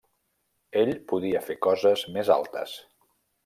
Ell podia fer coses més altes.